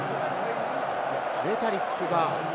レタリックが。